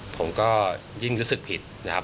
ผมก็ยิ่งรู้สึกผิดนะครับ